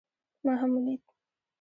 ما هغه وليد